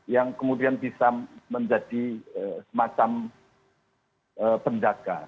yang kemudian bisa menjadi semacam penjaga